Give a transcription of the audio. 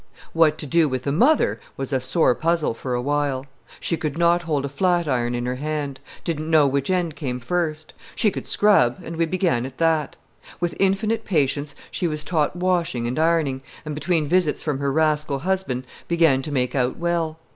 What to do with the mother was a sore puzzle for a while. She could not hold a flat iron in her hand; didn't know which end came first. She could scrub, and we began at that. With infinite patience, she was taught washing and ironing, and between visits from her rascal husband began to make out well.